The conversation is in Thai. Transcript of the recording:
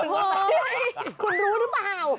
เฮ้ยคุณรู้หรือเปล่า